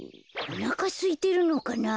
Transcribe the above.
おなかすいてるのかな？